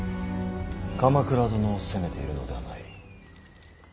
鎌倉殿を責めているのではない。